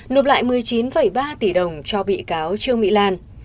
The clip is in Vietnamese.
nộp lại một mươi chín ba tỷ đồng cho bị cáo trương mỹ lan